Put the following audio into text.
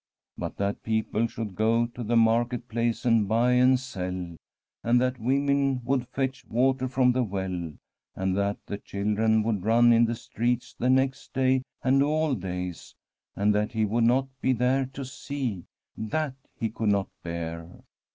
But that people should go to the Market Place and buy and sell, and that the women would fetch water from the well, and that the children would run in the streets the next day and all days, and that he would not be there to see, that he could not bear.